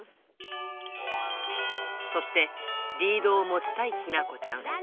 そして、リードを持ちたい日向子ちゃん。